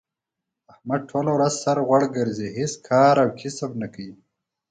احمد ټوله ورځ سر غوړ ګرځی، هېڅ کار او کسب نه کوي.